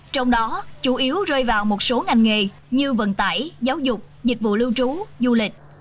trong đó chủ yếu rơi vào một số ngành nghề như vận tải giáo dục dịch vụ lưu trú du lịch